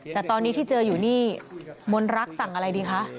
แต่ตอนนี้ที่เจออยู่นี่มนรักสั่งอะไรดีคะ